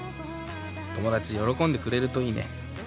友達喜んでくれるといいね。